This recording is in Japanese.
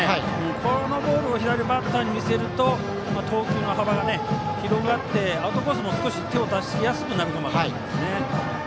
このボールを左バッターに見せると投球の幅が広がってアウトコースも手を出しやすくなるかもしれません。